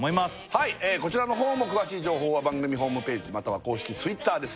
はいこちらの方も詳しい情報は番組ホームページまたは公式Ｔｗｉｔｔｅｒですね